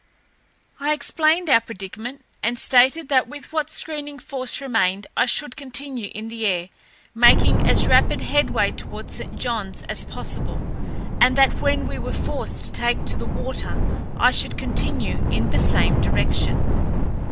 I explained our predicament, and stated that with what screening force remained I should continue in the air, making as rapid headway toward St. Johns as possible, and that when we were forced to take to the water I should continue in the same direction.